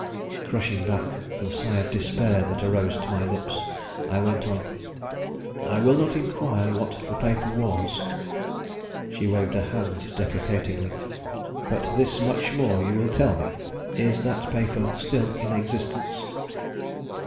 Crushing back the sigh of despair that arose to my lips, I went on. "I will not inquire what the paper was," she waved her hand deprecatingly, "but this much more you will tell me. Is that paper still in existence?"